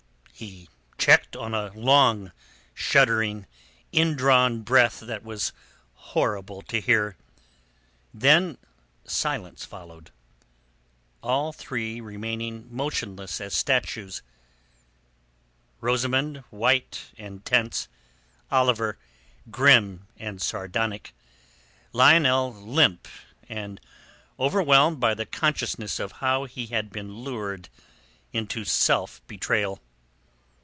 He checked on a long, shuddering, indrawn breath that was horrible to hear. Then silence followed, all three remaining motionless as statues: Rosamund white and tense, Oliver grim and sardonic, Lionel limp, and overwhelmed by the consciousness of how he had been lured into self betrayal.